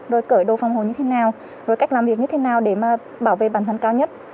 rồi cởi đồ phòng hồ như thế nào rồi cách làm việc như thế nào để mà bảo vệ bản thân cao nhất